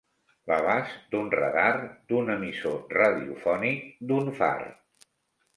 L'abast d'un radar, d'un emissor radiofònic, d'un far.